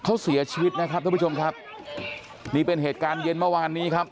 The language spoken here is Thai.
เขาเสียชีวิตนะครับท่านผู้ชมครับนี่เป็นเหตุการณ์เย็นเมื่อวานนี้ครับ